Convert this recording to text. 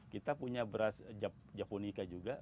kita punya beras javonica juga